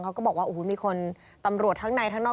เขาก็บอกว่าโอ้โหมีคนตำรวจทั้งในทั้งนอก